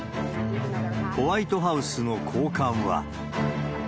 ホワイトハウスの高官は。